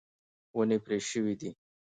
ونې پرې شوې دي.